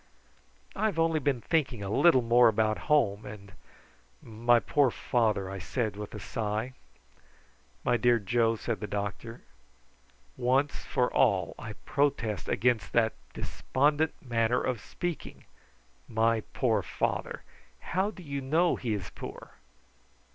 "I have only been thinking a little more about home, and my poor father," I said with a sigh. "My dear Joe," said the doctor, "once for all I protest against that despondent manner of speaking. `My poor father!' How do you know he is poor?